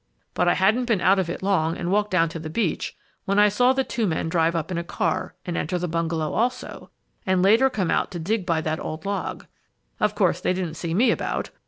But I hadn't been out of it long and walked down to the beach, when I saw the two men drive up in a car and enter the bungalow also, and later come out to dig by that old log. Of course, they didn't see me about!